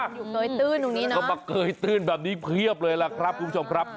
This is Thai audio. ก็มาเกยตื้นแบบนี้เพียบเลยล่ะครับคุณผู้ชมครับ